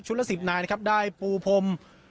ละ๑๐นายนะครับได้ปูพรม